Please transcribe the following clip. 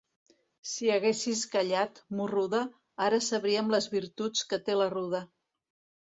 Si haguessis callat, morruda, ara sabríem les virtuts que té la ruda.